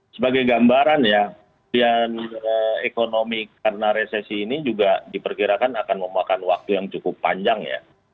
sebagai gambaran ya pilihan ekonomi karena resesi ini juga diperkirakan akan memakan waktu yang cukup panjang ya